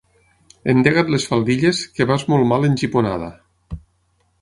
Endega't les faldilles, que vas molt mal engiponada.